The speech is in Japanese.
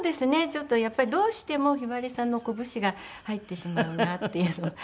ちょっとやっぱりどうしてもひばりさんのコブシが入ってしまうなっていうのが。